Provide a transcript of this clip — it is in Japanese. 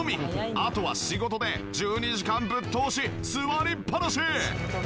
あとは仕事で１２時間ぶっ通し座りっぱなし！